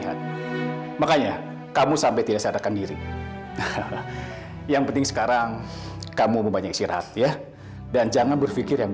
jangan lupa like share dan subscribe ya